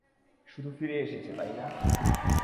শুধু ফিরে এসেছে তাই না।